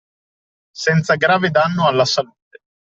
Senza grave danno alla salute